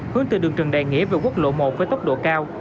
hướng từ đường trần đại nghĩa về quốc lộ một với tốc độ cao